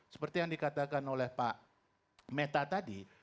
seperti yang dikatakan oleh pak meta tadi